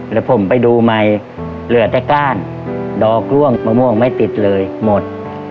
แล้วผมไปดูใหม่เหลือแต่ก้านดอกล่วงมะม่วงไม่ติดเลยหมด